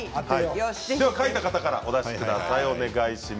書いた方からお出しください。